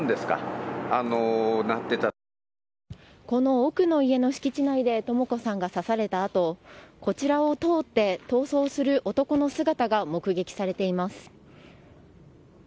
この奥の家の敷地内で朋子さんが刺されたあとこちらを通って逃走する男の姿が目撃されています。